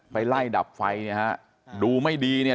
ไปไล่ดับไฟเนี่ยฮะดูไม่ดีเนี่ย